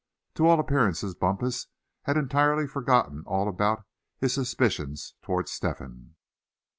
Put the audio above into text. To all appearances Bumpus had entirely forgotten all about his suspicions toward Step hen.